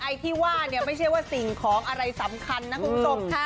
ไอ้ที่ว่าเนี่ยไม่ใช่ว่าสิ่งของอะไรสำคัญนะคุณผู้ชมค่ะ